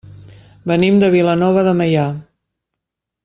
Venim de Vilanova de Meià.